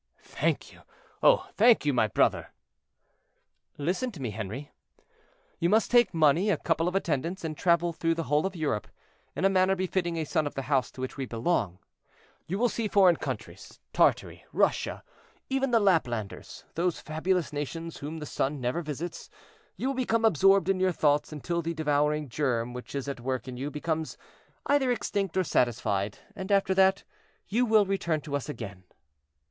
"Thank you, oh! thank you, my brother." "Listen to me, Henri. You must take money, a couple of attendants, and travel through the whole of Europe, in a manner befitting a son of the house to which we belong. You will see foreign countries; Tartary, Russia, even the Laplanders, those fabulous nations whom the sun never visits; you will become absorbed in your thoughts, until the devouring germ which is at work in you becomes either extinct or satiated; and, after that, you will return to us again."